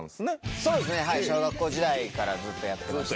そうですね小学生時代からずっとやってました。